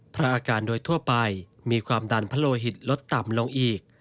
เพราะอาการโดยทั่วไปมีความดันพะโลหิตลดต่ำลงอีก